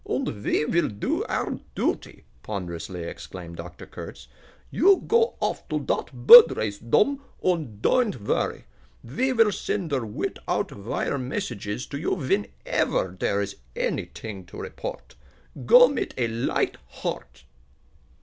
"Und ve vill do our duty!" ponderously exclaimed Dr. Kurtz. "You go off to dot bird race, Dom, und doan't vorry. Ve vill send der with out vire messages to you venever dere is anyt'ing to report. Go mit a light heart!"